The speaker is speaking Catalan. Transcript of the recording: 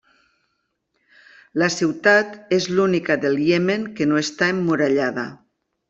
La ciutat és l'única del Iemen que no està emmurallada.